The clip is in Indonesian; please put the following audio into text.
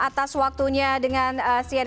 atas waktunya dengan cnn